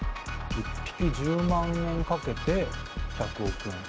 １匹１００万円かけて１，０００億か。